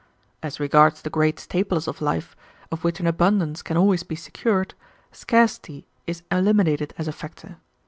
As regards the great staples of life, of which an abundance can always be secured, scarcity is eliminated as a factor.